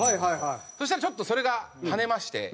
そしたらちょっとそれがハネまして。